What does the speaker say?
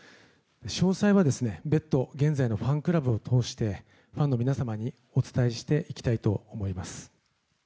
詳細は別途現在のファンクラブを通してファンの皆様にお伝えしていきたいと思います。